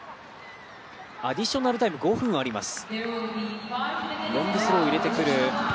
アディショナルタイム５分あります。